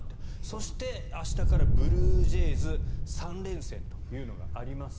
そして明日からブルージェイズ３連戦というのがあります。